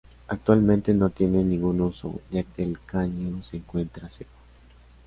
Actualmente no tiene ningún uso, ya que el caño se encuentra seco.